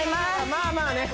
まあまあね